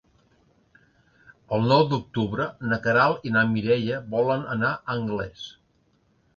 El nou d'octubre na Queralt i na Mireia volen anar a Anglès.